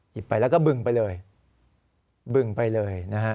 ไปแล้วก็บึงไปเลยบึงไปเลยนะฮะ